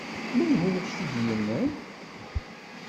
Menhu ak-t-id-yennan?